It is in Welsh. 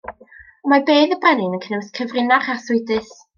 Ond mae bedd y brenin yn cynnwys cyfrinach arswydus.